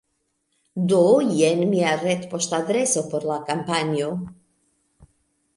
Do jen mia retpoŝtadreso por la kampanjo